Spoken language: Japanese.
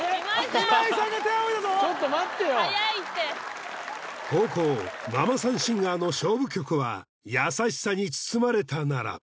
今井さんが・ちょっと待ってよ早いって後攻ママさんシンガーの勝負曲は「やさしさに包まれたなら」